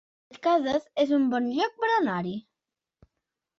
Setcases es un bon lloc per anar-hi